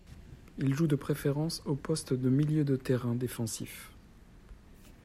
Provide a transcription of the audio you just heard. Il joue de préférence au poste de milieu de terrain défensif.